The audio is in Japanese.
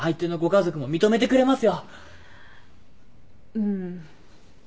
うん。